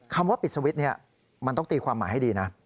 คำว่าปิดสวิตช์นี้มันต้องตีความหมายให้ดีนะ